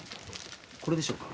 これでしょうか？